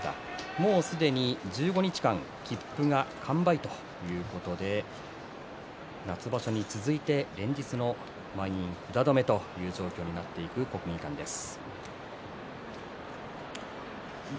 もうすでに１５日間切符が完売ということで夏場所に続いて連日の満員札止めという状況になっている国技館です。